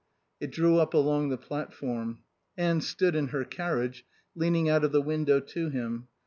It drew up along the platform. Anne stood in her carriage, leaning out of the window to him.